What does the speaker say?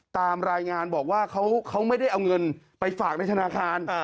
ตามรายงานบอกว่าเขาไม่ได้เอาเงินไปฝากในธนาคาร